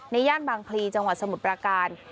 ย่านบางพลีจังหวัดสมุทรประการ